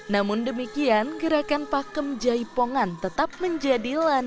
namun demikian gerakan pakem jaipongan tetap menjadi landasan